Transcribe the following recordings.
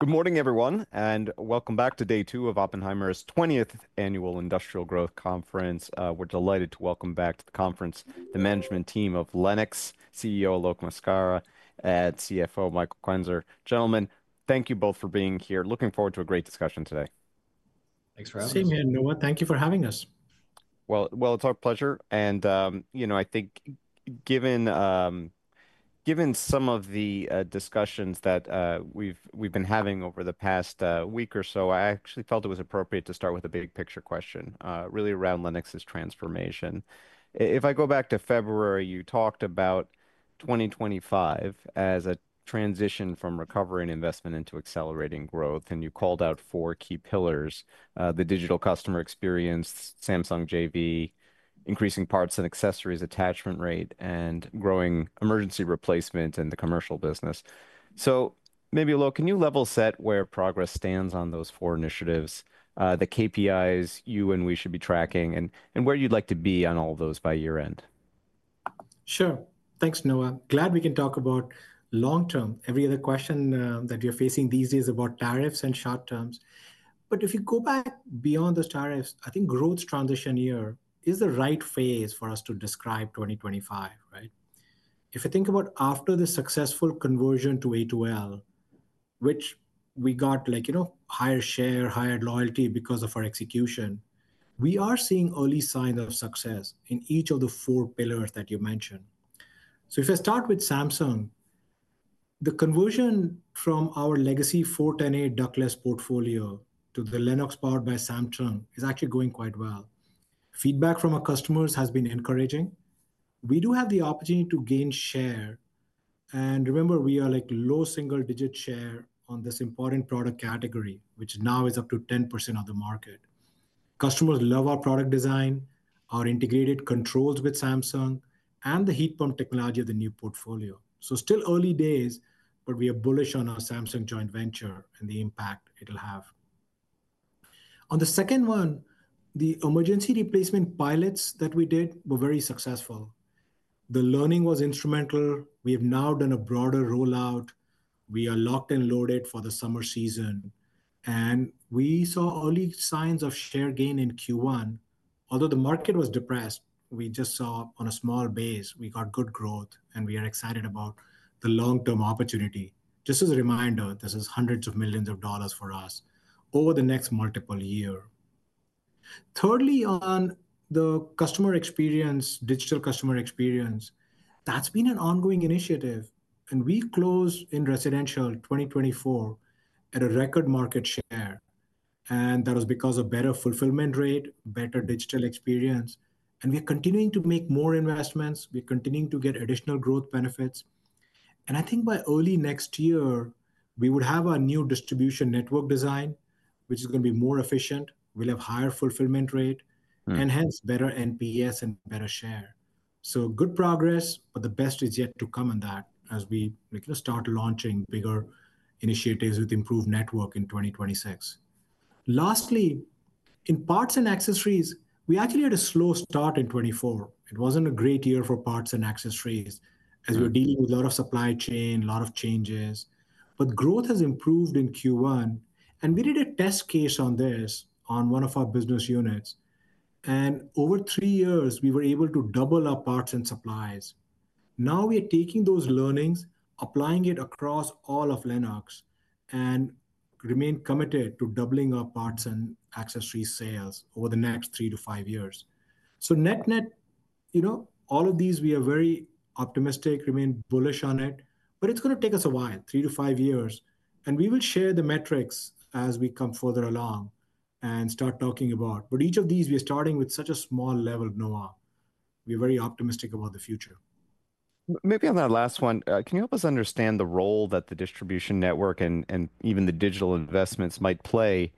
Good morning everyone and welcome back to Day Two of Oppenheimer's 20th Annual Industrial Growth Conference. We're delighted to welcome back to the conference the management team of Lennox, CEO Alok Maskara and CFO Michael Quenzer. Gentlemen, thank you both for being here. Looking forward to a great discussion today. Thanks for having me. Same here, Noah, thank you for having us. It's our pleasure. And you know, I think given some of the discussions that we've been having over the past week or so, I actually felt it was appropriate to start with a big picture question really around Lennox's transformation. If I go back to February, you talked about 2025 as a transition from recovery and investment into accelerating growth and you called out four key pillars, the digital customer experience, Samsung JV, increasing parts and accessories attachment rate, and growing emergency replacement in the commercial business. Maybe, Alok, can you level set where progress stands on those four initiatives, the KPIs you and we should be tracking, and where you'd like to be on all those by year end? Sure. Thanks, Noah. Glad we can talk about long term. Every other question that you're facing these days about tariffs and short terms, but if you go back beyond the tariffs, I think growth transition year is the right phase for us to describe 2025. Right. If you think about after the successful conversion to A2L which we got like, you know, higher share, higher loyalty because of our execution, we are seeing early signs of success in each of the four pillars that you mentioned. If I start with Samsung, the conversion from our legacy 410A ductless portfolio to the Lennox Powered by Samsung is actually going quite well. Feedback from our customers has been encouraging. We do have the opportunity to gain share and remember we are like low single digit share on this important product category which now is up to 10% of the market. Customers love our product design, our integrated controls with Samsung and the heat pump technology of the new portfolio. It is still early days but we are bullish on our Samsung joint venture and the impact it'll have on the second one. The emergency replacement pilots that we did were very successful. The learning was instrumental. We have now done a broader rollout. We are locked and loaded for the summer season and we saw early signs of share gain in Q1. Although the market was depressed, we just saw on a small base we got good growth and we are excited about the long term opportunity. Just as a reminder, this is $100 million for us over the next multiple years. Thirdly on the customer experience, digital customer experience, that's been an ongoing initiative and we closed in residential 2024 at a record market share and that was because of better fulfillment rate, better digital experience and we're continuing to make more investments, we're continuing to get additional growth benefits and I think by early next year we would have a new distribution network design which is going to be more efficient, we'll have higher fulfillment rate and hence better NPS and better share. Good progress but the best is yet to come in that as we start launching bigger initiatives with improved network in 2026. Lastly in parts and accessories, we actually had a slow start in 2024. It wasn't a great year for parts and accessories as we were dealing with a lot of supply chain, lot of changes. Growth has improved in Q1 and we did a test case on this on one of our business units and over three years we were able to double our parts and supplies. Now we are taking those learnings, applying it across all of Lennox and remain committed to doubling our parts and accessory sales over the next three to five years. Net net, you know all of these we are very optimistic, remain bullish on it, but it's going to take us a while, three to five years and we will share the metrics as we come further along and start talking about but each of these we are starting with such a small level. Noah, we're very optimistic about the future. Maybe on that last one, can you help us understand the role that the distribution network and even the digital investments might play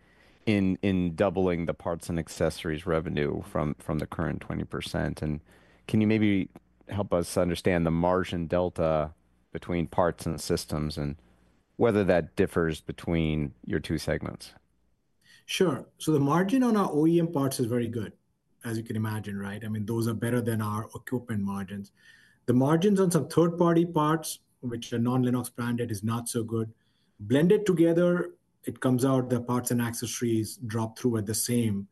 in doubling the parts and accessories revenue from the current 20%? Can you maybe help us understand the margin delta between parts and systems and whether that differs between your two segments? Sure. The margin on our OEM parts is very good as you can imagine, right? I mean those are better than our equipment margins. The margins on some third party parts which are non Lennox branded is not so good. Blended together, it comes out the parts and accessories drop through at the same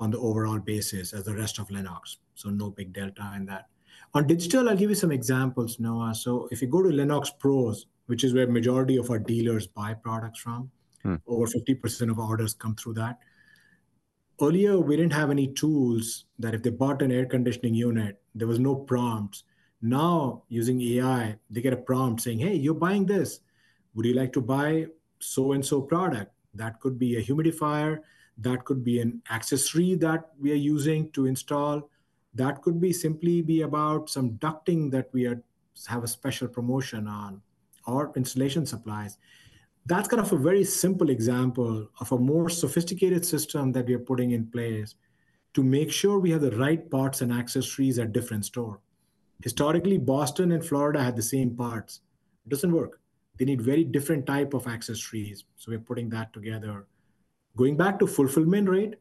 on the overall basis as the rest of Lennox. No big delta in that. On digital, I'll give you some examples, Noah. If you go to LennoxPros., which is where majority of our dealers buy products from, over 50% of orders come through that. Earlier, we did not have any tools that if they bought an air conditioning unit, there was no prompt. Now, using AI, they get a prompt saying, hey, you're buying this. Would you like to buy so and so product that could be a humidifier, that could be an accessory that we are using to install, that could simply be about some ducting that we have a special promotion on, or installation supplies. That is kind of a very simple example of a more sophisticated system that we are putting in place to make sure we have the right parts and accessories at different stores. Historically, Boston and Florida had the same parts. It does not work. They need very different type of accessories. We are putting that together. Going back to fulfillment rate,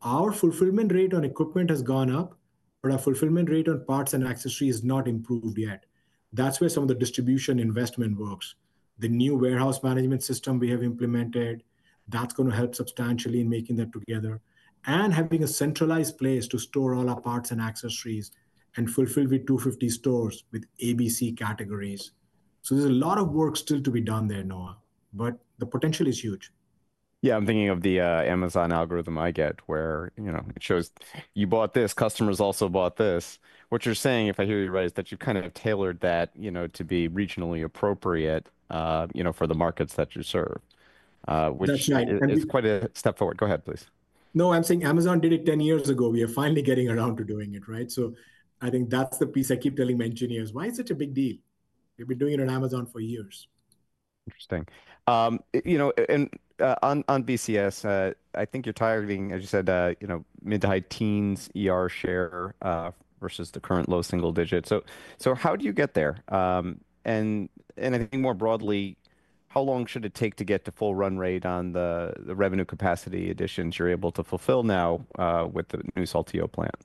our fulfillment rate on equipment has gone up, but our fulfillment rate on parts and accessories has not improved yet. That is where some of the distribution investment works. The new warehouse management system we have implemented, that's going to help substantially in making that together and having a centralized place to store all our parts and accessories and fulfill the 250 stores with ABC categories. There is a lot of work still to be done there, Noah, but the potential is huge. Yeah, I'm thinking of the Amazon algorithm. I get where it shows, you bought this, customers also bought this. What you're saying, if I hear you right, is that you've kind of tailored that to be regionally appropriate, appropriate for the markets that you serve, which is quite a step forward. Go ahead, please. No, I'm saying Amazon did it 10 years ago. We are finally getting around to doing it right. I think that's the piece I keep telling my engineers, why is such a big deal? They've been doing it on Amazon for years. Interesting. On BCS, I think you're targeting, as you said, mid to high teens pr share versus the current low single digit. How do you get there? I think more broadly, how long should it take to get to full run rate on the revenue capacity additions you're able to fulfill now with the new Saltillo plant?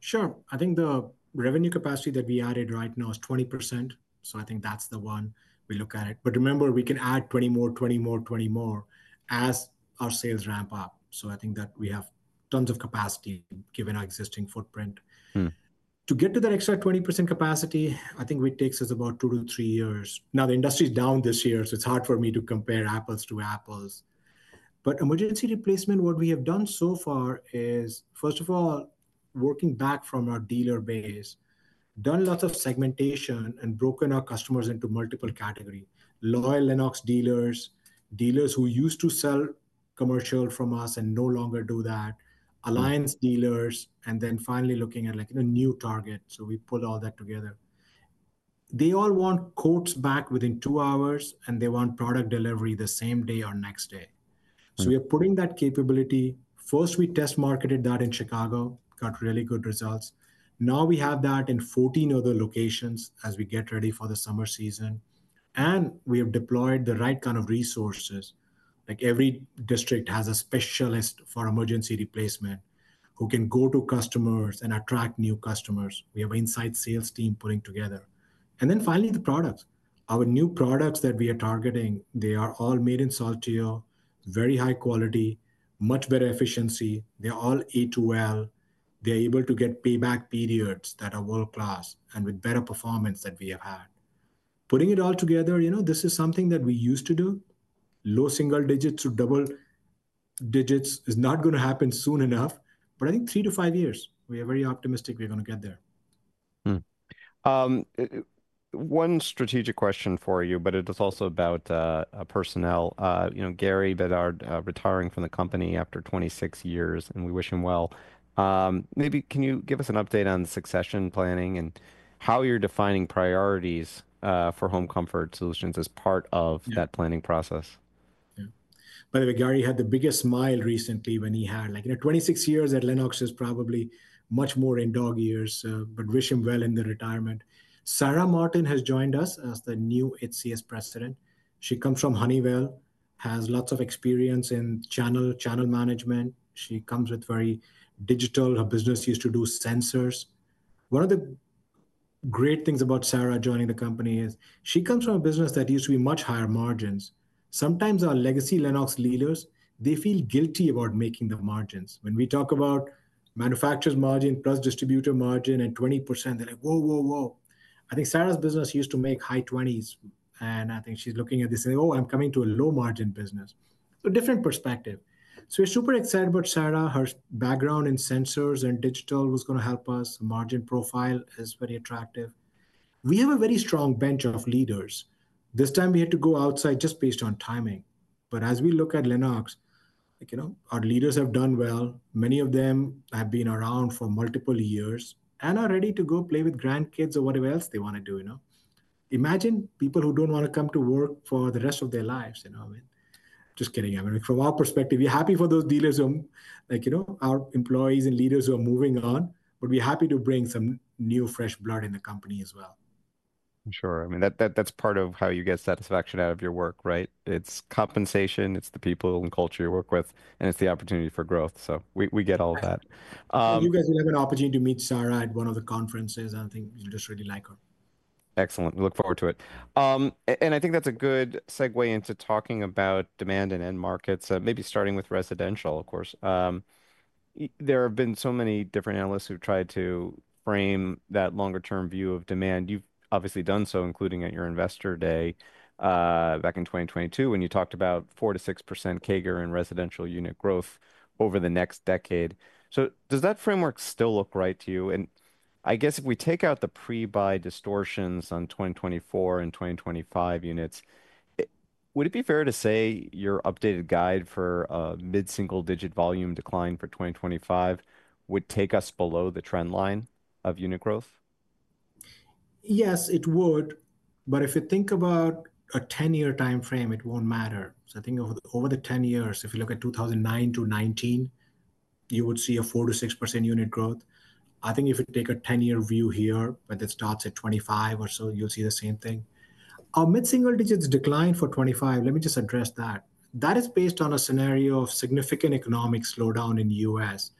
Sure. I think the revenue capacity that we added right now is 20%. I think that's the one we look at it. Remember, we can add 20% more, 20% more, 20% more as our sales ramp up. I think that we have tons of capacity given our existing footprint. To get to that extra 20% capacity, I think it takes us about two to three years now. The industry is down this year, so it's hard for me to compare apples to apples. Emergency replacement, what we have done so far is first of all working back from our dealer base, done lots of segmentation and broken our customers into multiple categories. Loyal Lennox dealers, dealers who used to sell commercial from us and no longer do that, alliance dealers, and then finally looking at a new target. We pull all that together. They all want quotes back within two hours and they want product delivery the same day or next day. We are putting that capability first. We test marketed that in Chicago, got really good results. Now we have that in 14 other locations as we get ready for the summer season and we have deployed the right kind of resources. Every district has a specialist for emergency replacement who can go to customers and attract new customers. We have inside sales team putting together and then finally the products, our new products that we are targeting, they are all made in Saltillo, very high quality, much better efficiency. They are all A2L. They are able to get payback periods that are world class and with better performance that we have had. Putting it all together, this is something that we used to do. Low single digits or double digits is not going to happen soon enough, but I think three to five years we are very optimistic we're going to get there. One strategic question for you, but it is also about personnel. Gary Bedard retiring from the company after 26 years and we wish him well. Maybe can you give us an update on succession planning and how you're defining priorities for home comfort solutions as part of that planning process? By the way, Gary had the biggest smile recently when he had like 26 years at Lennox. It is probably much more in dog years but wish him well in the retirement. Sarah Martin has joined us as the new HCS President. She comes from Honeywell, has lots of experience in channel management. She comes with very digital. Her business used to do sensors. One of the great things about Sarah joining the company is she comes from a business that used to be much higher margins. Sometimes our legacy Lennox leaders, they feel guilty about making the margins. When we talk about manufacturers margin plus distributor margin and 20% they're like whoa, whoa, whoa. I think Sarah's business used to make high 20s and I think she's looking at this and oh, I'm coming to a low margin business, a different perspective. We are super excited about Sarah. Her background in sensors and digital was going to help us. Margin profile is very attractive. We have a very strong bench of leaders. This time we had to go outside just based on timing. As we look at Lennox, our leaders have done well. Many of them have been around for multiple years and are ready to go play with grandkids or whatever else they want to do. Imagine people who don't want to come to work for the rest of their lives. Just kidding. I mean from our perspective we're happy for those dealers like, you know, our employees and leaders who are moving on but we're happy to bring some new fresh blood in the company as well. Sure. I mean that, that's part of how you get satisfaction out of your work. Right. It's compensation, it's the people and culture you work with, and it's the opportunity for growth. So we get all of that. You guys will have an opportunity to meet Sarah at one of the conferences. I think you just really like her. Excellent. We look forward to it. I think that's a good segue into talking about demand and end markets, maybe starting with residential. Of course there have been so many different analysts who've tried to frame that longer term view of demand. You've obviously done so, including at your investor day back in 2022 when you talked about 4% to 6% CAGR in residential unit growth over the next decade. Does that framework still look right to you? I guess if we take out the pre buy distortions on 2024 and 2025 units, would it be fair to say your updated guide for mid single digit volume decline for 2025 would take us below the trend line of unit growth? Yes, it would. If you think about a 10 year time frame, it won't matter. I think over the 10 years, if you look at 2009 to 2019, you would see a 4% to 6% unit growth. I think if you take a 10 year view here, but it starts at 2025 or so, you'll see the same thing. Our mid single digits decline for 2025. Let me just address that. That is based on a scenario of significant economic slowdown in the U.S.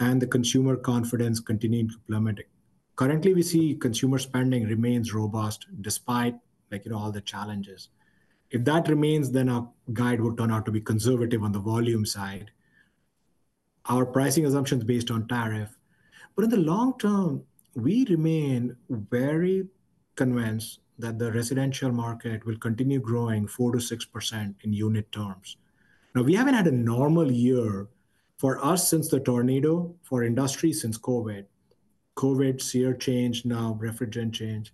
and the consumer confidence continued plummeting. Currently we see consumer spending remains robust despite all the challenges. If that remains, then our guide would turn out to be conservative on the volume side, our pricing assumptions based on tariff. In the long term we remain very convinced that the residential market will continue growing 4% to 6% in unit terms. Now we haven't had a normal year for us since the tornado, for industry, since COVID, COVID, SEER change, now refrigerant change.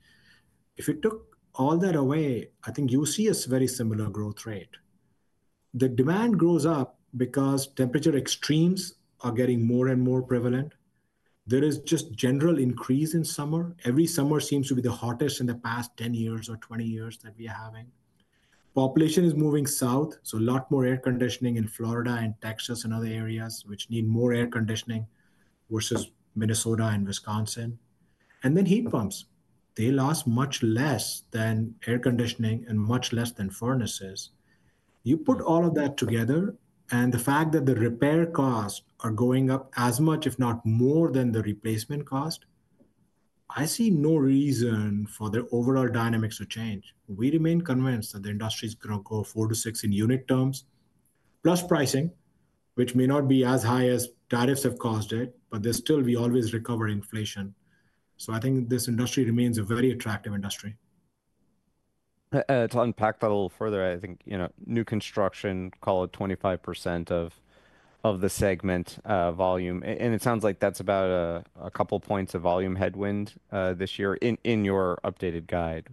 If you took all that away, I think you see a very similar growth rate. The demand grows up because temperature extremes are getting more and more prevalent. There is just general increase in summer. Every summer seems to be the hottest in the past 10 years or 20 years that we are having. Population is moving south. A lot more air conditioning in Florida and Texas and other areas which need more air conditioning versus Minnesota and Wisconsin. Heat pumps, they last much less than air conditioning and much less than furnaces. You put all of that together and the fact that the repair costs are going up as much if not more than the replacement cost. I see no reason for the overall dynamics to change. We remain convinced that the industry is going to go four to six in unit terms plus pricing, which may not be as high as tariffs have caused it, but still we always recover inflation. I think this industry remains a very attractive industry. To unpack that a little further, I think new construction, call it 25% of the segment volume and it sounds like that's about a couple points of volume headwind this year in your updated guide,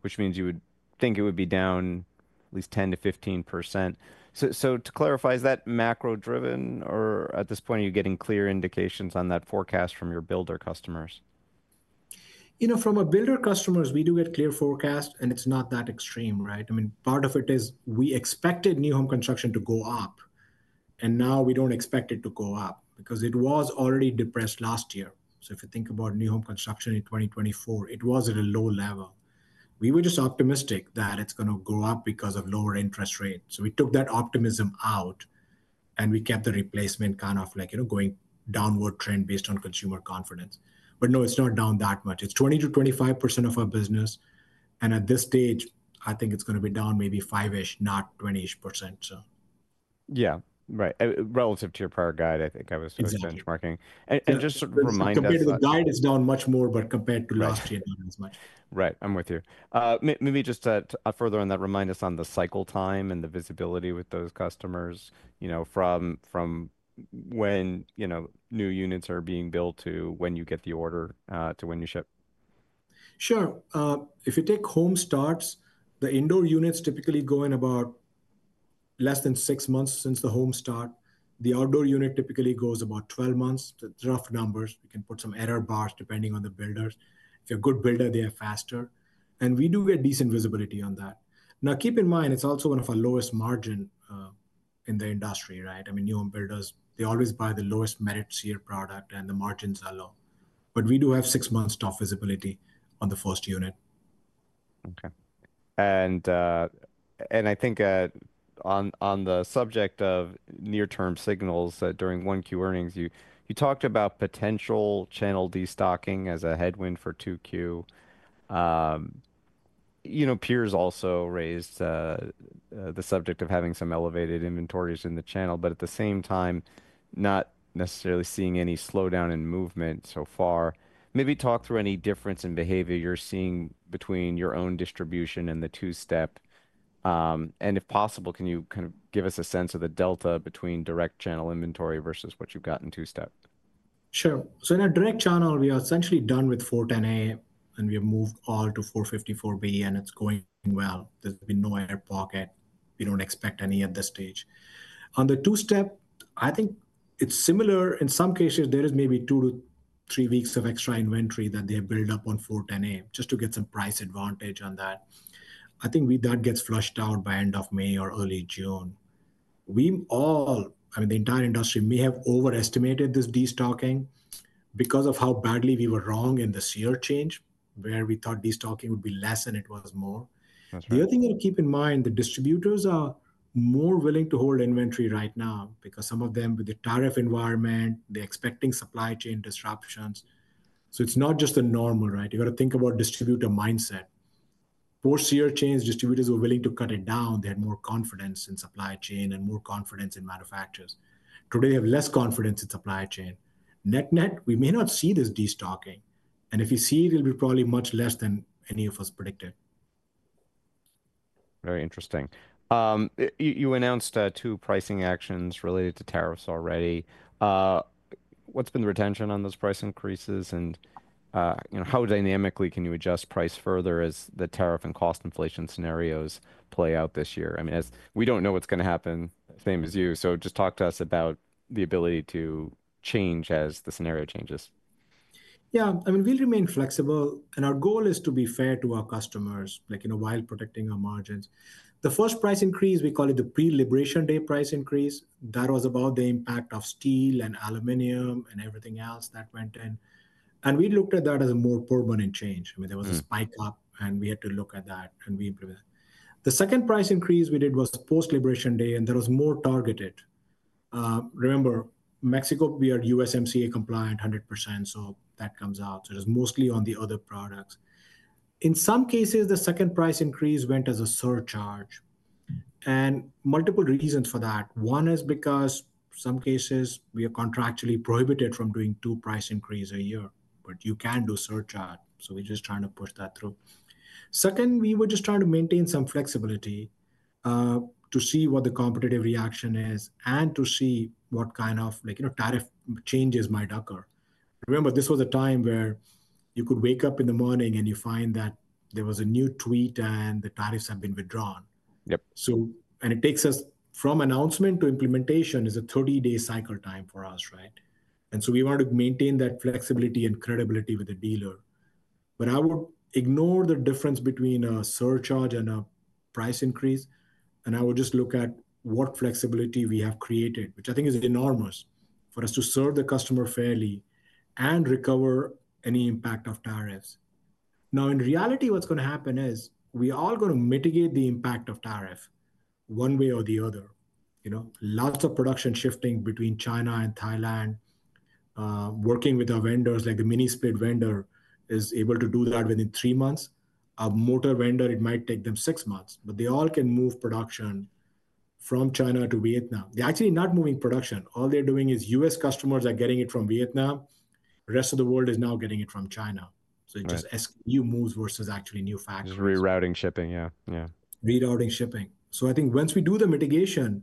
which means you would think it would be down at least 10% to 15%. To clarify, is that macro driven or at this point are you getting clear indications on that forecast from your builder customers? You know, from a builder customers we do get clear forecast and it's not that extreme. Right. I mean part of it is we expected new home construction to go up and now we don't expect it to go up because it was already depressed last year. If you think about new home construction in 2024, it was at a low level. We were just optimistic that it's going to go up because of lower interest rate. We took that optimism out and we kept the replacement kind of like going downward trend based on consumer confidence. No, it's not down that much. It's 20% to 25% of our business. At this stage I think it's going to be down maybe 5% ish, not 20% ish. Yeah, right. Relative to your prior guide, I think I was benchmarking. And just remind us, compared to the. Guide it's down much more. Compared to last year, not as much. Right, right. I'm with you. Maybe just further on that. Remind us on the cycle time and the visibility with those customers from when new units are being built to when you get the order to when you ship. Sure. If you take home starts, the indoor units typically go in about less than six months since the home start. The outdoor unit typically goes about 12 months. Rough numbers, we can put some error bars depending on the builders. If you're a good builder, they are faster and we do get decent visibility on that. Now keep in mind, it's also one of our lowest margin in the industry. I mean new home builders, they always buy the lowest merit SEER product and the margins are low. But we do have six months top visibility on the first unit. Okay. I think on the subject of near term signals during 1Q earnings, you talked about potential channel destocking as a headwind for 2Q. You know, peers also raised the subject of having some elevated inventories in the channel, but at the same time not necessarily seeing any slowdown in movement so far. Maybe talk through any difference in behavior you're seeing between your own distribution and the two step. If possible, can you kind of give us a sense of the delta between direct channel inventory versus what you've got in two step? Sure. In a direct channel we are essentially done with 410A and we have moved all to 454B and it's going well. There's been no air pocket. We don't expect any at this stage. On the two step, I think it's similar. In some cases there is maybe two to three weeks of extra inventory that they build up on 410A just to get some price advantage on that. I think that gets flushed out by end of May or early June. We all, I mean the entire industry, may have overestimated this destocking because of how badly we were wrong in this year change where we thought destocking would be less and it was more. The other thing to keep in mind, the distributors are more willing to hold inventory right now because some of them, with the tariff environment, they're expecting supply chain disruptions. It is not just a normal. Right. You got to think about distributor mindset, posterior change. Distributors were willing to cut it down. They had more confidence in supply chain and more confidence in manufacturers. Today they have less confidence in supply chain. Net net. We may not see this destocking and if you see it will be probably much less than any of us predicted. Very interesting. You announced two pricing actions related to tariffs already. What's been the retention on those price increases and how dynamically can you adjust price further as the tariff and cost inflation scenarios play out this year? We don't know what's going to happen, same as you. Just talk to us about the ability to change as the scenario changes. Yeah, I mean we remain flexible and our goal is to be fair to our customers while protecting our margins. The first price increase, we call it the pre Liberation Day price increase, that was about the impact of steel and aluminium and everything else that went in. I mean there was a spike up and we had to look at that and we implemented. The second price increase we did was post Liberation Day and that was more targeted. Remember Mexico, we are USMCA compliant 100%. That comes out. It is mostly on the other products. In some cases the second price increase went as a surcharge and multiple reasons for that. One is because in some cases we are contractually prohibited from doing two price increases a year, but you can do surcharge. We're just trying to push that through. Second, we were just trying to maintain some flexibility to see what the competitive reaction is and to see what kind of tariff changes might occur. Remember this was a time where you could wake up in the morning and you find that there was a new tweet and the tariffs have been withdrawn. It takes us from announcement to implementation is a 30-day cycle time for us. Right. We want to maintain that flexibility and credibility with the dealer. I would ignore the difference between a surcharge and a price increase and I would just look at what flexibility we have created, which I think is enormous for us to serve the customer fairly and recover any impact of tariffs. In reality, what's going to happen is we all going to mitigate the impact of tariff one way or the other. Lots of production shifting between China and Thailand, working with our vendors like the Mini Split vendor is able to do that within three months. A motor vendor, it might take them six months, but they all can move production from China to Vietnam. They're actually not moving production. All they're doing is U.S. customers are getting it from Vietnam, the rest of the world is now getting it from China. Just SKU moves versus actually new factors. Rerouting shipping. Yeah, rerouting shipping. I think once we do the mitigation,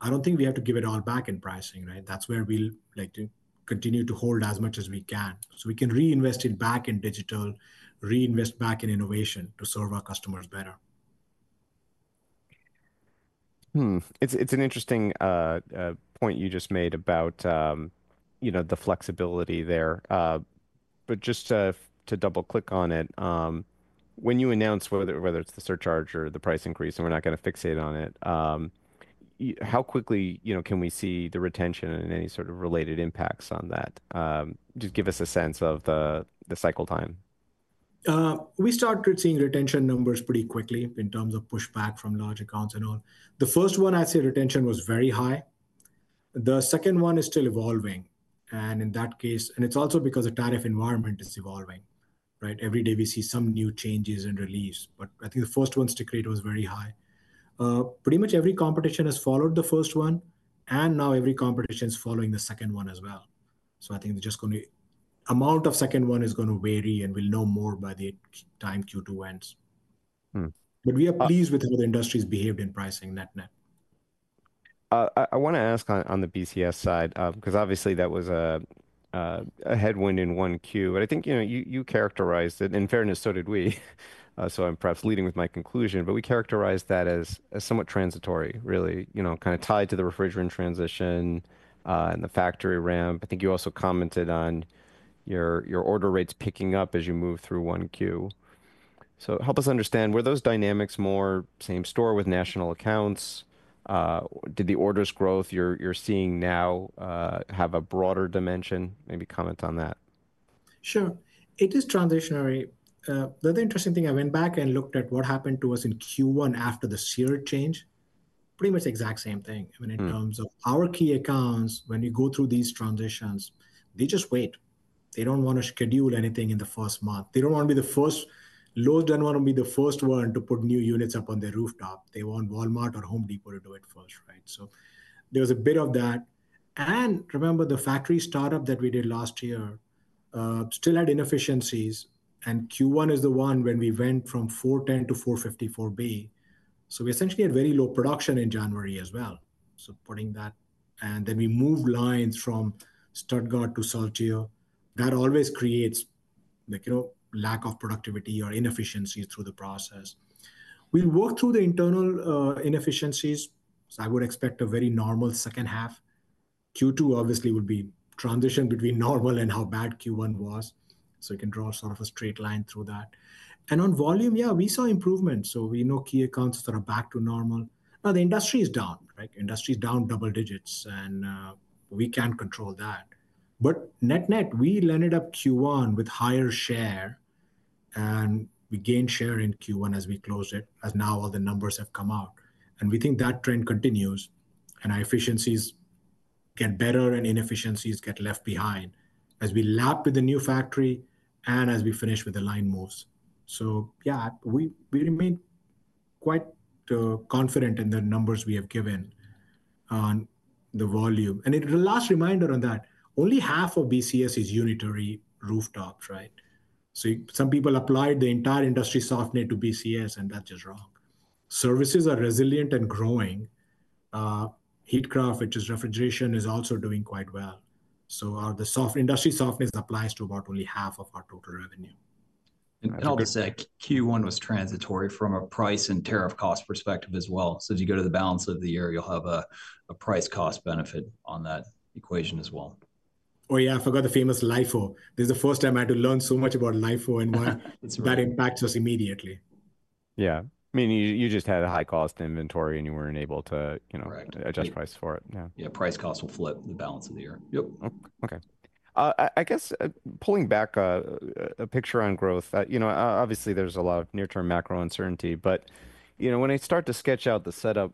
I do not think we have to give it all back in pricing. Right. That is where we like to continue to hold as much as we can so we can reinvest it back in digital, reinvest back in innovation to serve our customers better. It's an interesting point you just made about the flexibility there. Just to double click on it, when you announced, whether it's the surcharge or the price increase and we're not going to fixate on it, how quickly can we see the retention and any sort of related impacts on that? Just give us a sense of the cycle time. We started seeing retention numbers pretty quickly in terms of pushback from large accounts and all. The first one, I'd say retention was very high. The second one is still evolving, and in that case, it's also because the tariff environment is evolving. Every day we see some new changes and release. I think the first one, stick rate was very high. Pretty much every competition has followed the first one, and now every competition is following the second one as well. I think just going to amount of second one is going to vary, and we'll know more by the time Q2 ends. We are pleased with how the industry has behaved in pricing net net. I want to ask on the BCS side because obviously that was a headwind in 1Q, but I think you characterized it in fairness. So did we. I'm perhaps leading with my conclusion. We characterized that as somewhat transitory, really kind of tied to the refrigerant transition and the factory ramp. I think you also commented on your order rates picking up as you move through 1Q. Help us understand, were those dynamics more same store with national accounts? Did the orders growth you're seeing now have a broader dimension? Maybe comment on that? Sure. It is transitionary. The interesting thing, I went back and looked at what happened to us in Q1 after the search change. Pretty much the exact same thing in terms of our key accounts. When you go through these transitions they just wait. They do not want to schedule anything in the first month. They do not want to be the first. Lowe's do not want to be the first one to put new units up on their rooftop. They want Walmart or Home Depot to do it first. Right. There was a bit of that. Remember the factory startup that we did last year still had inefficiencies, and Q1 is the one when we went from 410B to 454B. We essentially had very low production in January as well. Putting that, and then we move lines from Stuttgart to Saltillo. That always creates lack of productivity or inefficiencies through the process. We'll work through the internal inefficiencies. I would expect a very normal second half. Q2 obviously would be transition between normal and how bad Q1 was. You can draw a straight line through that on volume. We saw improvement. We know key accounts that are back to normal now. The industry is down, industry is down double digits and we can control that. Net net we landed up Q1 with higher share and we gained share in Q1 as we closed it as now all the numbers have come out and we think that trend continues and our efficiencies get better and inefficiencies get left behind as we lap with the new factory and as we finish with the line moves. Yeah, we remain quite confident in the numbers we have given on the volume, and the last reminder on that, only half of BCS is unitary rooftops. Right. Some people applied the entire industry softness to BCS, and that is wrong. Services are resilient and growing. Heatcraft, which is refrigeration, is also doing quite well. The industry softness applies to only about half of our total revenue. Q1 was transitory from a price and tariff cost perspective as well. As you go to the balance of the year, you'll have a price cost benefit on that equation as well. Oh yeah, I forgot the famous LIFO. This is the first time I had to learn so much about LIFO and why that impacts us immediately. Yeah, you just had a high cost inventory and you weren't able to adjust price for it. Yeah, price cost will flip the balance of the year. Yep. Okay. I guess pulling back a picture on growth. Obviously there's a lot of near term macro uncertainty, but when I start to sketch out the setup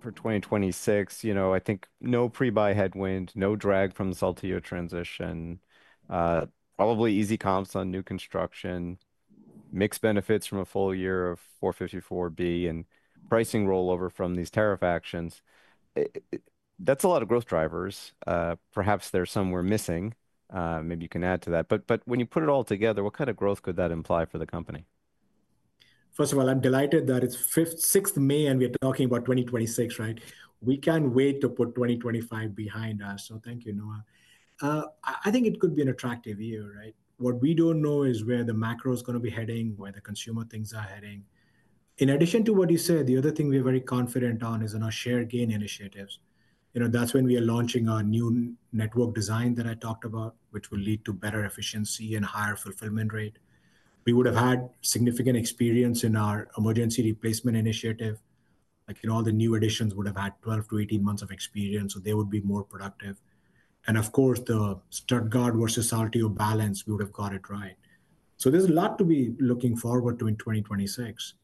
for 2026, I think no pre buy headwind, no drag from the Saltillo transition, probably easy comps on new construction, mixed benefits from a full year of 454B and pricing rollover from these tariff actions. That's a lot of growth drivers. Perhaps there's some we're missing, maybe you can add to that. When you put it all together, what kind of growth could that imply for the company? First of all, I'm delighted that it's the 6th of May and we're talking about 2026. Right. We can't wait to put 2025 behind us. Thank you, Noah. I think it could be an attractive year. Right. What we don't know is where the macro is going to be heading, where the consumer things are heading. In addition to what you said, the other thing we are very confident on is in our share gain initiatives. That's when we are launching our new network design that I talked about which will lead to better efficiency and higher fulfillment rate. We would have had significant experience in our emergency replacement initiative. All the new additions would have had 12, 18 months of experience. They would be more productive. Of course the Stuttgart versus Saltillo balance, we would have got it right. There's a lot to be looking forward to in 2026.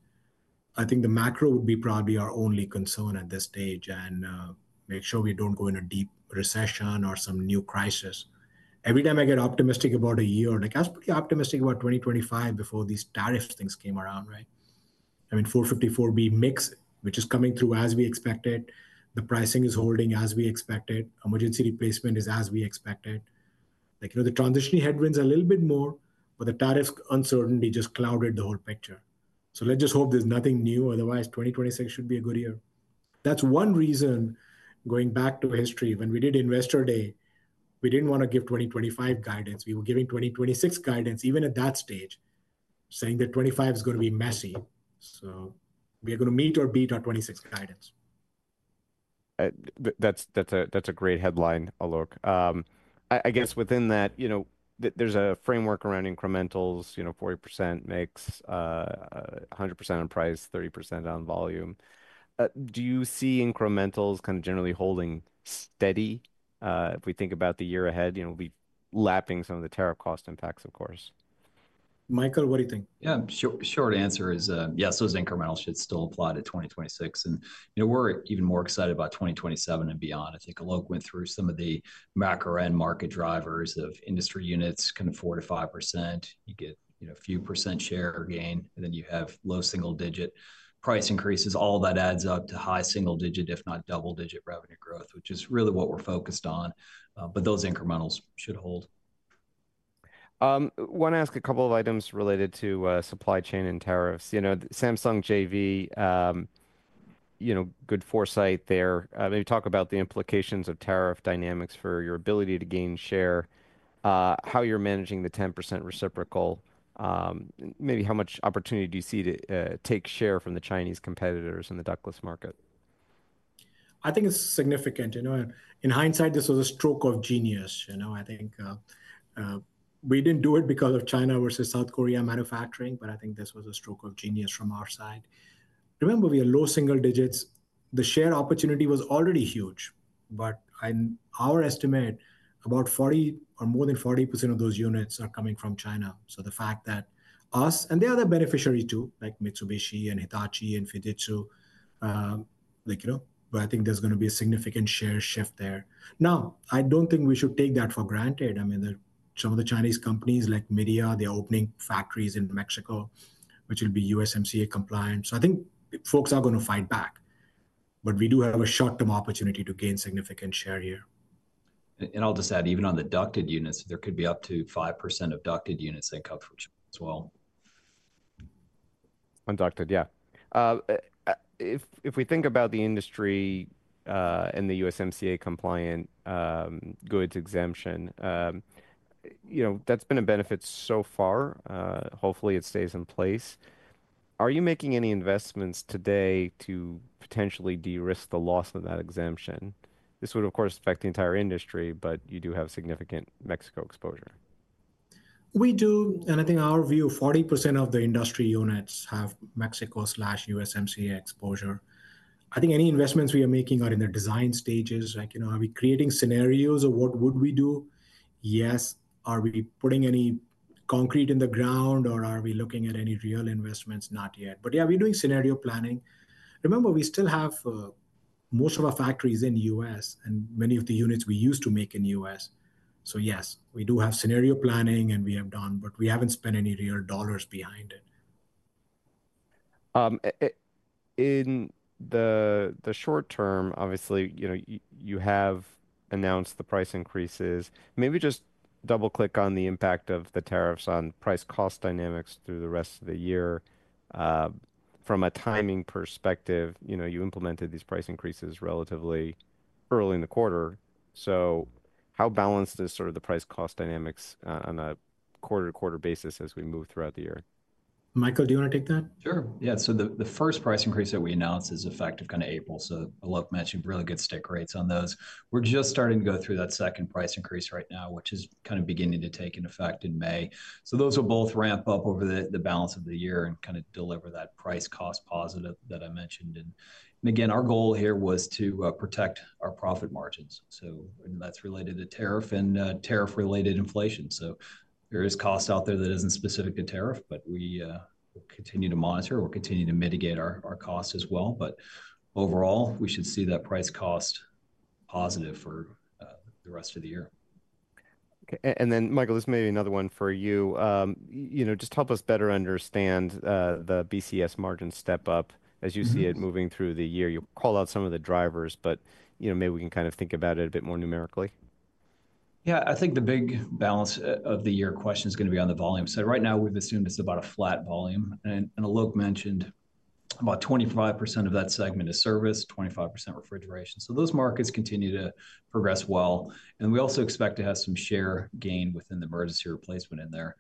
I think the macro would be probably our only concern at this stage and make sure we don't go in a deep recession or some new crisis every time I get optimistic about a year. I was pretty optimistic about 2025 before these tariff things came around. 454B mix which is coming through as we expected. The pricing is holding as we expected. Emergency replacement is as we expected. The transitioning headwinds are a little bit more, but the tariff uncertainty just clouded the whole picture. Let's just hope there's nothing new. Otherwise 2026 should be a good year. That's one reason going back to history, when we did Investor Day, we didn't want to give 2025 guidance. We were giving 2026 guidance even at that stage saying that 2025 is going to be messy so we are going to meet or beat our 2026 guidance. That's a great headline, Alok. I guess within that there's a framework around incrementals. 40% makes 100% on price, 30% on volume. Do you see incrementals generally holding steady? If we think about the year ahead, we'll be lapping some of the tariff cost impacts, of course. Michael, what do you think? Yeah, short answer is yes, those incrementals should still apply to 2026 and we're even more excited about 2027 and beyond. I think went through some of the macro end market drivers of industry units kind of 4% to 5%. You get a few percent share gain and then you have low single digit price increases. All that adds up to high single digit if not double digit revenue growth, which is really what we're focused on. Those incrementals should hold. Want to ask a couple of items related to supply chain and tariffs. Samsung JV, good foresight there. Maybe talk about the implications of tariff dynamics for your ability to gain share. How you're managing the 10% reciprocal maybe. How much opportunity do you see to take share from the Chinese competitors in the ductless market? I think it's significant in hindsight. This was a stroke of genius. I think we didn't do it because of China versus South Korea manufacturing, but I think this was a stroke of genius from our side. Remember, we are low single digits. The share opportunity was already huge, but in our estimate about 40% or more than 40% of those units are coming from China. The fact that us and the other beneficiary too, like Mitsubishi and Hitachi and Fujitsu, I think there's going to be a significant share shift there. Now I don't think we should take that for granted. I mean some of the Chinese companies like Midea, they're opening factories in Mexico which will be USMCA compliant. I think folks are going to fight back. We do have a short term opportunity to gain significant share here. I'll just add even on the ducted units there could be up to 5% ducted units in comfort as well. Yeah. If we think about the industry and the USMCA compliant goods exemption, you know, that's been a benefit so far. Hopefully it stays in place. Are you making any investments today to potentially de risk the loss of that exemption? This would of course affect the entire industry. But you do have significant Mexico exposure. We do. I think our view, 40% of the industry units have Mexico USMCA exposure. I think any investments we are making are in the design stages. Like you know, are we creating scenarios or what would we do? Yes. Are we putting any concrete in the ground or are we looking at any real investments? Not yet, but yeah, we're doing scenario planning. Remember we still have most of our factories in the U.S. and many of the units we used to make in the U.S. So yes, we do have scenario planning and we have done, but we haven't spent any real dollars behind it. In the short term. Obviously you have announced the price increases. Maybe just double click on the impact of the tariffs on price cost dynamics through the rest of the year. From a timing perspective, you know, you implemented these price increases relatively early in the quarter. So how balanced is sort of the price cost dynamics on a quarter to quarter basis as we move throughout the year? Michael, do you want to take that? Sure. Yeah. The first price increase that we announced is effective kind of April, so Alok mentioned, really good stick rates on those. We're just starting to go through that second price increase right now which is kind of beginning to take effect in May. Those will both ramp up over the balance of the year and kind of deliver that price cost positive that I mentioned. Our goal here was to protect our profit margins. That is related to tariff and tariff related inflation. There is cost out there that is not specific to tariff. We continue to monitor, we'll continue to mitigate our cost as well. Overall we should see that price cost positive for the rest of the year then. Michael, this may be another one for you. Just help us better understand the BCS margin step up as you see it moving through the year. You call out some of the drivers, but maybe we can think about it a bit more numerically. I think the big balance of the year question is going to be on the volume side. Right now we've assumed it's about a flat volume. Alok mentioned about 25% of that segment is service, 25% refrigeration. So those markets continue to progress well and we also expect to have some share gain within the emergency replacement in there.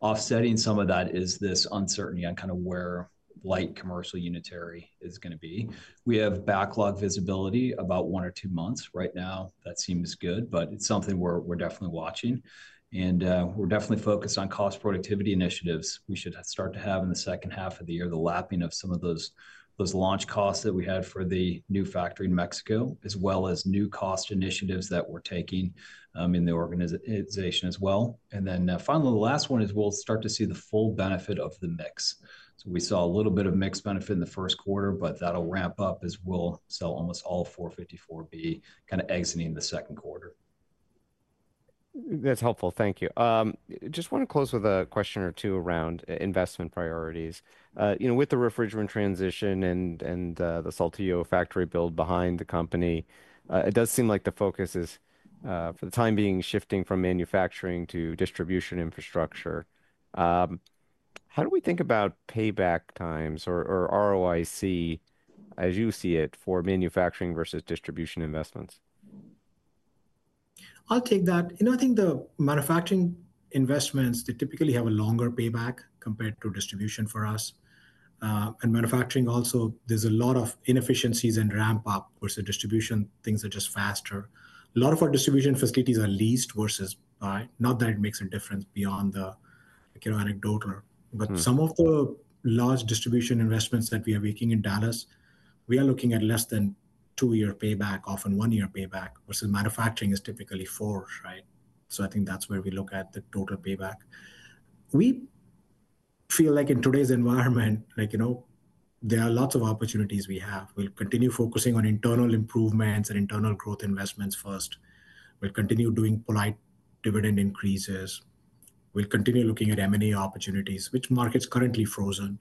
Offsetting some of that is this uncertainty on kind of where light commercial unitary is going to be. We have backlog visibility about one or two months right now. That seems good, but it's something we're definitely watching and we're definitely focused on cost productivity initiatives. We should start to have in the second half of the year. The lapping of some of those launch costs that we for the new factory in Mexico as well as new cost initiatives that we're taking in the organization as well. Finally, the last one is we'll start to see the full benefit of the mix. We saw a little bit of mix benefit in the first quarter, but that'll ramp up as we'll sell almost all 454B kind of exiting the second quarter. That's helpful. Thank you. Just want to close with a question or two around investment priorities. With the refrigerant transition and the Saltillo factory build behind the company, it does seem like the focus is for the time being shifting from manufacturing to distribution infrastructure. How do we think about payback times or ROIC as you see it for manufacturing versus distribution investments? I'll take that. I think the manufacturing investments, they typically have a longer payback compared to distribution for us and manufacturing also there's a lot of inefficiencies and ramp up versus distribution. Things are just faster. A lot of our distribution facilities are leased versus buy. Not that it makes a difference beyond the anecdotal, but some of the large distribution investments that we are making in Dallas, we are looking at less than two year payback. Often one year payback versus manufacturing is typically four. I think that's where we look at the total payback. We feel like in today's environment there are lots of opportunities we have. We'll continue focusing on internal improvements and internal growth investments. First, we'll continue doing polite dividend increases. We'll continue looking at M&A opportunities. Which market's currently frozen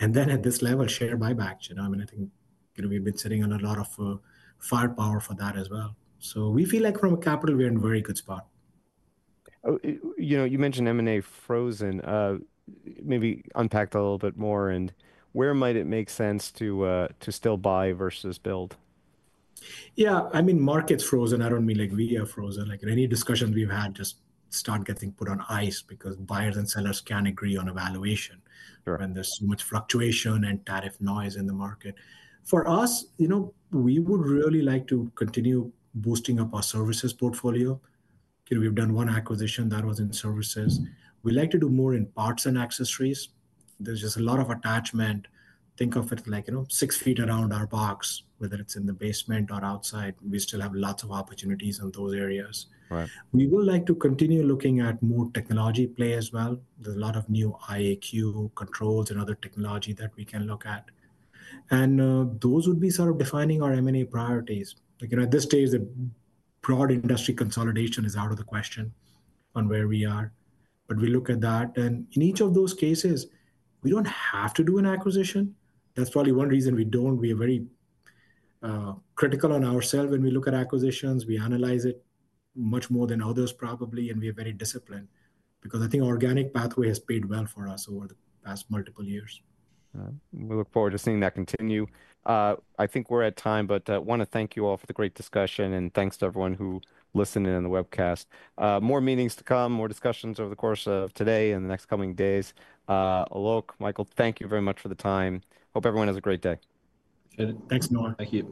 and then at this level, share buybacks. I think we've been sitting on a lot of firepower for that as well. We feel like from a capital we're in a very good spot. You mentioned M&A frozen. Maybe unpack that a little bit more. Where might it make sense to still buy versus build? Yeah, I mean market's frozen. I don't mean like we are frozen. Any discussions we've had just start getting put on ice because buyers and sellers can agree on a valuation and there's so much fluctuation and tariff noise in the market for us. We would really like to continue boosting up our services portfolio. We've done one acquisition that was in services. We like to do more in parts and accessories. There's just a lot of attachment. Think of it like, you know, six feet around our box-whether it's in the basement or outside. We still have lots of opportunities in those areas. We would like to continue looking at more technology play as well. There's a lot of new IAQ (indoor air quality) controls and other technology that we can look at and those would be sort of defining our M&A priorities at this stage. The broad industry consolidation is out of the question on where we are, but we look at that and in each of those cases we do not have to do an acquisition. That is probably one reason we do not. We are very critical on ourselves when we look at acquisitions. We analyze it much more than others, probably. We are very disciplined because I think organic pathway has paid well for us over the course past multiple years. We look forward to seeing that continue. I think we're at time, but want to thank you all for the great discussion and thanks to everyone who listened in the webcast. More meetings to come, more discussions over the course of today and the next coming days. Alok, Michael, thank you very much for the time. Hope everyone has a great day. Thanks nor thank you.